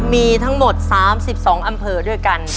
มีทั้งหมด๓๒อำเภอด้วยกัน